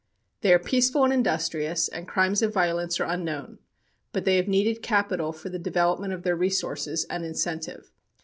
They are peaceful and industrious, and crimes of violence are unknown, but they have needed capital for the development of their resources and incentive.